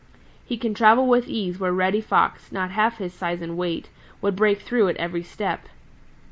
He can travel with ease where Reddy Fox, not half his size and weight, would break through at every step.